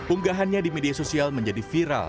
unggahannya di media sosial menjadi viral